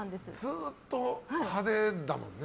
ずっと派手だもんね。